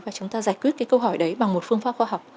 và chúng ta giải quyết cái câu hỏi đấy bằng một phương pháp khoa học